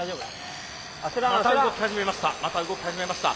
また動き始めました。